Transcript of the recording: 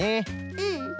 うん。